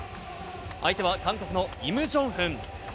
相手は韓国のイム・ジョンフン。